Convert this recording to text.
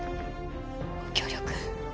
ご協力